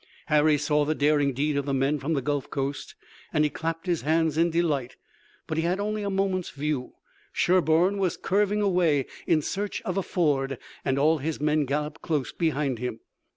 Harry saw the daring deed of the men from the Gulf coast, and he clapped his hands in delight. But he had only a moment's view. Sherburne was curving away in search of a ford and all his men galloped close behind him.